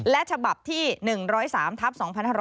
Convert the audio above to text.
และฉบับที่๑๐๓ทับ๒๕๖๐